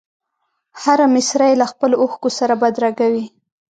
هره مسره یې له خپلو اوښکو سره بدرګه وي.